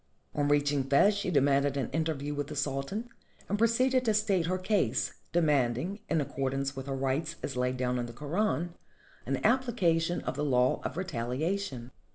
On reaching Fez she demanded an interview with the Sultan, and proceeded to state her case, demanding, in accordance with her rights as laid down in the Koran, an application of the law of retalia tion.